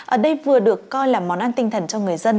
ở đây vừa được coi là món ăn tinh thần cho người dân